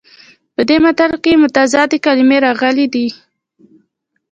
په دې متل کې متضادې کلمې راغلي دي